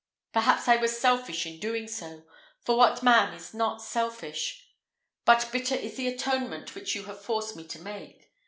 Perhaps I was selfish in doing so; for what man is not selfish? but bitter is the atonement which you have forced me to make.